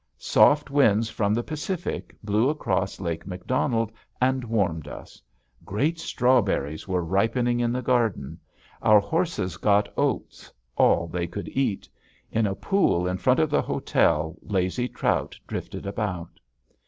Soft winds from the Pacific blew across Lake Macdonald and warmed us. Great strawberries were ripening in the garden. Our horses got oats, all they could eat. In a pool in front of the hotel lazy trout drifted about.